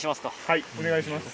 はいお願いします！